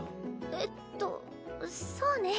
えっとそうね。